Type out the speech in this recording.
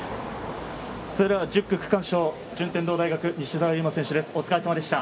１０区区間賞、順天堂大学・西澤侑真選手です。